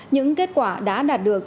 những kết quả đã đạt được